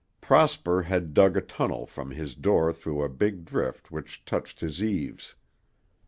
Prosper had dug a tunnel from his door through a big drift which touched his eaves.